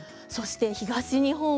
そして東日本